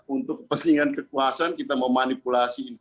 untuk kepentingan kekuasaan kita memanipulasi